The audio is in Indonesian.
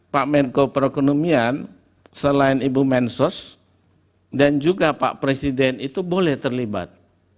pak menko perekonomian selain ibu mensos dan juga pak presiden itu boleh terlibat